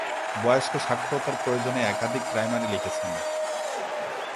বয়স্ক সাক্ষরতার প্রয়োজনে একাধিক প্রাইমারি লিখেছেন।